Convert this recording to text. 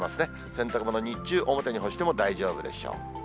洗濯物、日中、表に干しても大丈夫でしょう。